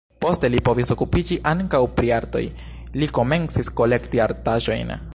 Poste li povis okupiĝi ankaŭ pri artoj, li komencis kolekti artaĵojn.